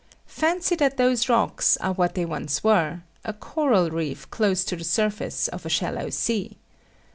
Fancy that those rocks are what they once were, a coral reef close to the surface of a shallow sea.